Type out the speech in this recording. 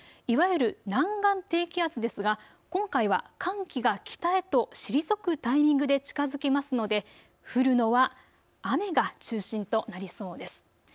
いわゆる南岸低気圧ですが今回は寒気が北へと退くタイミングで近づきますので降るのは雨が中心となりそうです。